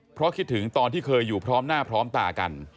เพราะคิดถึงตอนที่เคยอยู่พร้อมหน้าพร้อมตากัน